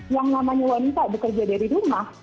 yang namanya wanita bekerja dari rumah